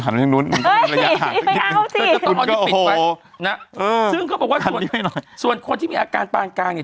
ขันทางนู้นเอ้ยไม่เอาสิซึ่งเขาบอกว่าส่วนส่วนคนที่มีอาการปางกลางเนี้ย